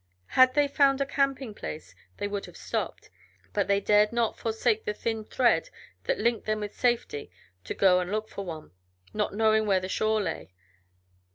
Had they found a camping place they would have stopped, but they dared not forsake the thin thread that linked them with safety to go and look for one, not knowing where the shore lay.